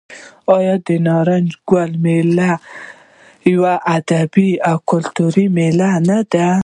آیا د نارنج ګل میله یوه ادبي او کلتوري میله نه ده؟